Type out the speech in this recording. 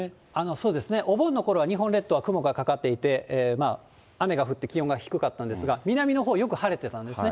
そうですね、お盆のころは日本列島は雲がかかっていて、雨が降って気温が低かったんですが、南のほう、よく晴れてたんですね。